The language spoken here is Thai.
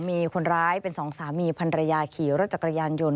มีคนร้ายเป็นสองสามีพันรยาขี่รถจักรยานยนต์